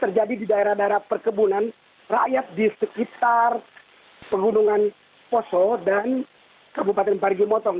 terjadi di daerah daerah perkebunan rakyat di sekitar pegunungan poso dan kabupaten parigi motong